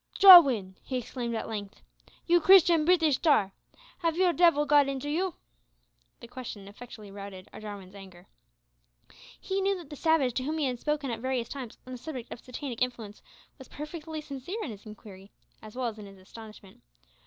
"Jowin," he exclaimed at length, "you Christian Breetish tar, have your dibbil got into you?" This question effectually routed Jarwin's anger. He knew that the savage, to whom he had spoken at various times on the subject of satanic influence, was perfectly sincere in his inquiry, as well as in his astonishment.